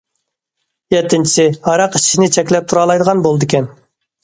يەتتىنچىسى: ھاراق ئىچىشنى چەكلەپ تۇرالايدىغان بولىدىكەن.